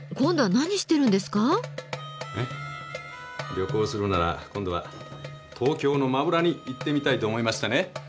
旅行するなら今度は東京の真裏に行ってみたいと思いましてね。